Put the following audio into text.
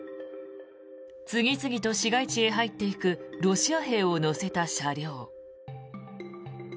次々と市街地へ入っていくロシア兵を乗せた車両。